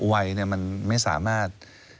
วัยไม่สามารถ